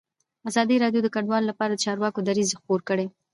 ازادي راډیو د کډوال لپاره د چارواکو دریځ خپور کړی.